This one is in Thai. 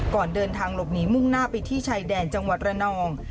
ก่อนเดินทางหลบหนีมุ่งหน้าไปที่ชายแดนจังหวัดระนอง